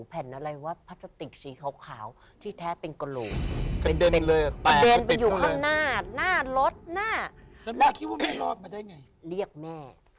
แผ่นอะไรวะพัฒติกสีขาวที่แท้เป็นโกรธกลัวเร่ยวยอยู่ข้างหน้าหน้ารถน่ะ